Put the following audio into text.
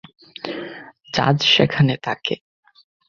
Jazz সেখানে থাকে।